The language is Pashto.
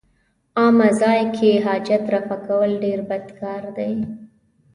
عامه ځای کې حاجت رفع کول ډېر بد کار دی.